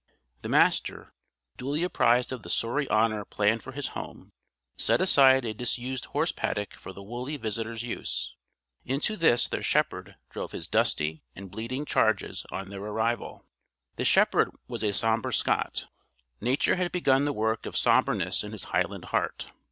The Master, duly apprised of the sorry honor planned for his home, set aside a disused horse paddock for the woolly visitors' use. Into this their shepherd drove his dusty and bleating charges on their arrival. The shepherd was a somber Scot. Nature had begun the work of somberness in his Highland heart.